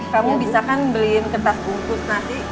kamu bisa kan beliin kertas bungkus nasi